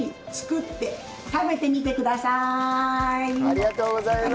ありがとうございます！